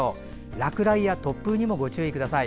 落雷や突風にもご注意ください。